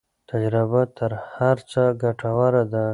تجربه تر هر څه ګټوره ده.